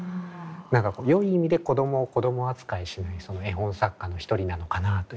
何かよい意味で子供を子供扱いしないその絵本作家の一人なのかなあというところ。